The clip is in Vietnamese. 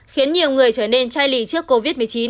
khiến nhiều người trở nên chai lì trước covid một mươi chín